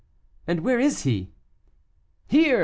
"And where is he?" "Here!"